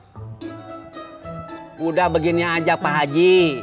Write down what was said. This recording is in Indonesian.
sudah begini aja pak haji